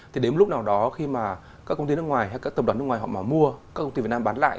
thì đến lúc nào đó khi mà các công ty nước ngoài hay các tập đoàn nước ngoài họ mà mua các công ty việt nam bán lại